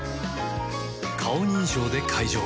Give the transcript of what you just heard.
顔認証で解錠